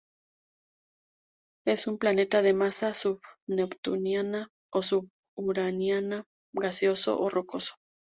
Es un planeta de masa sub-neptuniana o sub-uraniana gaseoso o rocoso.